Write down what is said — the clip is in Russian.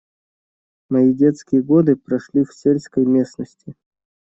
Мои детские годы прошли в сельской местности.